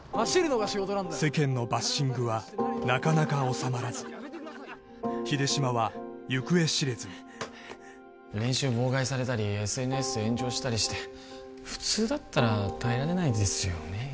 世間のバッシングはなかなか収まらず秀島は行方知れずに練習妨害されたりＳＮＳ炎上したりして普通だったら耐えられないですよね